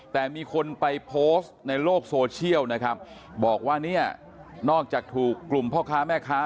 แต่มีคนไปโพสต์ในโลกโซเชียลนะครับบอกว่าเนี่ยนอกจากถูกกลุ่มพ่อค้าแม่ค้า